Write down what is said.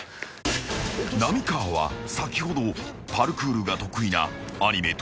［浪川は先ほどパルクールが得意なアニメ『逃走中』の主人公